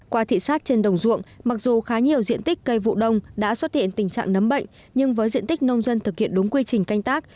qua thị xác trên đồng ruộng mặc dù khá nhiều diện tích cây vụ đông đã xuất hiện tình trạng nấm bệnh nhưng với diện tích nông dân thực hiện đúng quy trình canh tác